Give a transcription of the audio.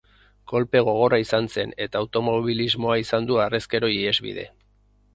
Kolpe gogorra izan zen eta automobilismoa izan du harrezkero ihesbide.